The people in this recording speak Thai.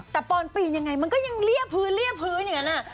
แต่ปอนปีนยังไงมันก็ยังเลี้ยพื้นอย่างนั้น